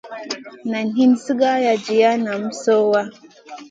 Na hin sigara jiya nam sohya.